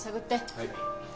はい。